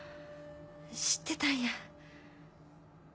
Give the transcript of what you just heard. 知ってたんや。